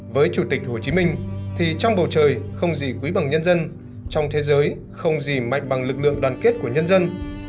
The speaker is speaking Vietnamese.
với chủ tịch hồ chí minh thì trong bầu trời không gì quý bằng nhân dân trong thế giới không gì mạnh bằng lực lượng đoàn kết của nhân dân